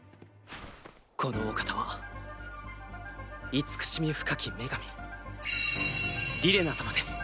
このお方は慈しみ深き女神リレナ様です。